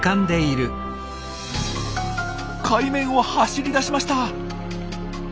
海面を走りだしました！